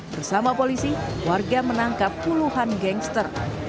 bersama polisi warga menangkap puluhan gangster